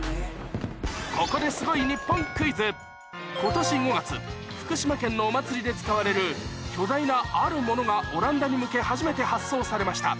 ここで今年５月福島県のお祭りで使われる巨大なあるものがオランダに向け初めて発送されました